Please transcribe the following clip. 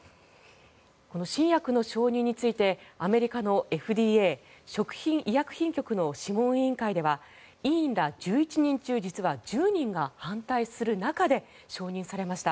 この新薬の承認についてアメリカのＦＤＡ・食品医薬品局の諮問委員会では委員ら１１人中、実は１０人が反対する中で承認されました。